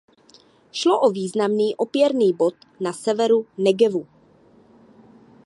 Šlo o významný opěrný bod na severu Negevu.